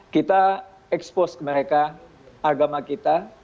kita expose ke mereka agama kita